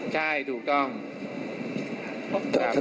สายแม่ทั้งหมด